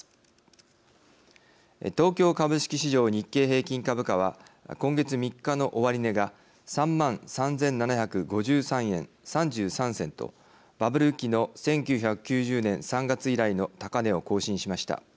東京株式市場日経平均株価は今月３日の終値が３万３，７５３円３３銭とバブル期の１９９０年３月以来の高値を更新しました。